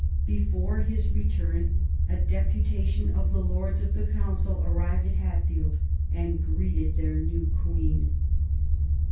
Before his return, a deputation of the Lords of the Council arrived at Hatfield and greeted their new Queen.